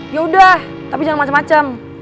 yaudah tapi jangan macem macem